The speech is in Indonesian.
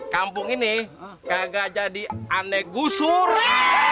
kampung ini kagak jadi anegusura